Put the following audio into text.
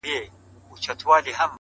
• زما د ميني جنډه پورته ښه ده؛